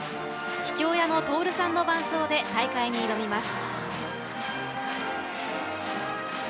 父親の徹さんの伴走で大会に挑みます。